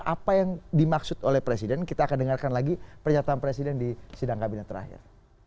apa yang dimaksud oleh presiden kita akan dengarkan lagi pernyataan presiden di sidang kabinet terakhir